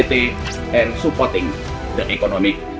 dan mendukung pemulihan ekonomi